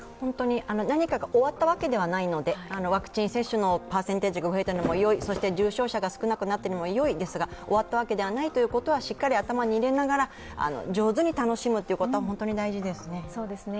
何かが終わったわけではないので、ワクチン接種のパーセンテージが増えたのもよい、重症者が少なくなったのもよいですが、終わったわけではないということは、しっかり頭に入れながら上手に楽しむことは本当に大事ですね。